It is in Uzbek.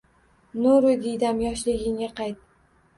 Nuri diydam yoshliginga qayt